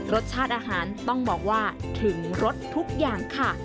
รสชาติอาหารต้องบอกว่าถึงรสทุกอย่างค่ะ